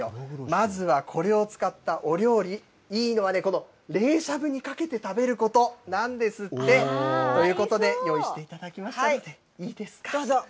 まずはこれを使ったお料理、いいのはね、この冷しゃぶにかけて食べることなんですって。ということで用意していただきましたので、いいですか。